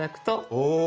お！